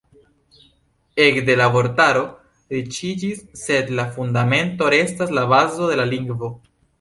Ekde, la vortaro riĉiĝis sed la Fundamento restas la bazo de la lingvo.